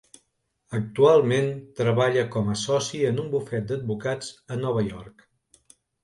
Actualment treballa com a soci en un bufet d'advocats a Nova York.